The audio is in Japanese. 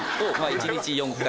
１日４回？